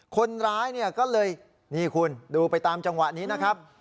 คนร้ายเนี่ยก็เลยนี่คุณดูไปตามจังหวะนี้นะครับ